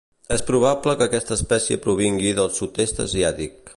És probable que aquesta espècie provingui del sud-est asiàtic.